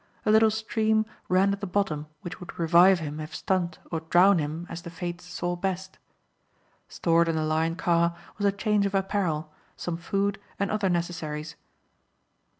A little stream ran at the bottom which would revive him if stunned or drown him as the fates saw best. Stored in the Lion car was a change of apparel, some food and other necessaries.